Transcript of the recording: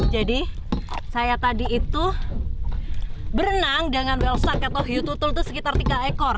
jadi saya tadi itu berenang dengan well stuck atau hew tutul itu sekitar tiga ekor